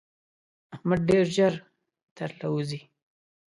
احمد ډېر ژر تر له وزي.